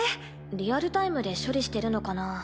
リアルタイムで処理してるのかな？